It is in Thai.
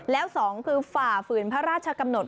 แล้ว๒คือฝ่าฝืนพระราชกำหนด